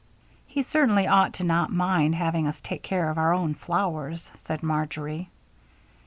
"He certainly ought not to mind having us take care of our own flowers," said Marjory.